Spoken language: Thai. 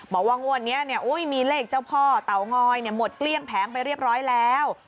บอกว่างวดนี้มีเลขเจ้าพ่อเตางอยหมดเกลี้ยงแผงไปเรียบร้อยแล้ว